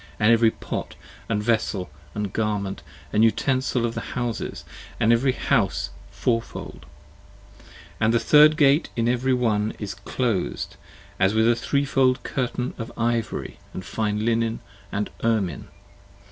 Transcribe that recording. And every pot & vessel & garment & utensil of the houses, And every house, fourfold; but the third Gate in every one Is clos'd as with a threefold curtain of ivory & fine linen & ermine.